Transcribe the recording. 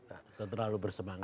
atau terlalu bersemangat